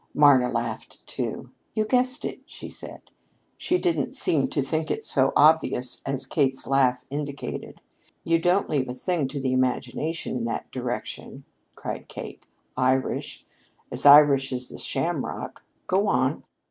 Marna laughed, too. "You guessed it?" she cried. She didn't seem to think it so obvious as Kate's laugh indicated. "You don't leave a thing to the imagination in that direction," Kate cried. "Irish? As Irish as the shamrock! Go on."